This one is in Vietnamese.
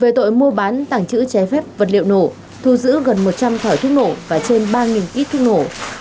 về tội mua bán tàng trữ trái phép vật liệu nổ thu giữ gần một trăm linh thỏi thuốc nổ và trên ba ít thuốc nổ